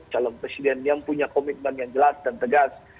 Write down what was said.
calon presiden yang punya komitmen yang jelas dan tegas